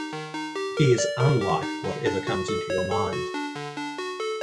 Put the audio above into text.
He is unlike whatever comes into your mind.